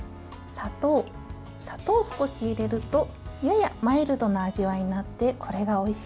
砂糖を少し入れるとややマイルドな味わいになってこれがおいしいんです。